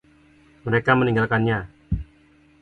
Mereka meninggalkannya.